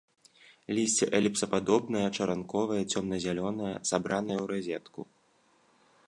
Лісце эліпсападобнае, чаранковае, цёмна-зялёнае, сабранае ў разетку.